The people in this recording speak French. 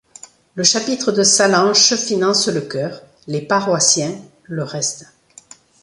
Le chapitre de Sallanches finance le chœur, les paroissiens le reste.